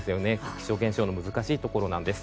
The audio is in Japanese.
気象現象の難しいところです。